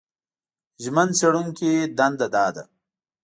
ژمن څېړونکي دنده دا ده